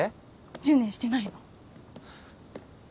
１０年してないの？